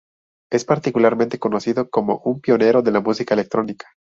Es particularmente conocido como un pionero de la música electrónica.